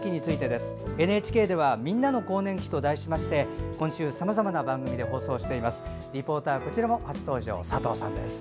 ＮＨＫでは「＃みんなの更年期」と題して今週、さまざまな番組でお伝えしています。